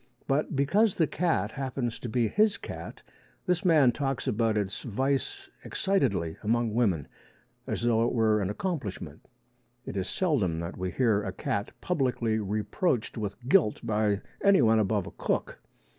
But because the cat happens to be his cat, this man talks about its vice excitedly among women as though it were an accomplishment. It is seldom that we hear a cat publicly reproached with guilt by anyone above a cook.